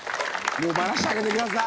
もうバラしてあげてください！